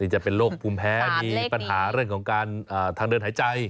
จะเป็นโรคภูมิแพ้มีปัญหาเรื่องของการทางเดินหายใจ